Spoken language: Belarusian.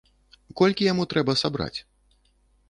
Колькі яму трэба сабраць?